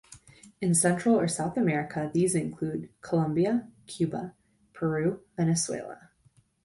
In Central or South America, these include: Colombia, Cuba, Peru, Venezuela.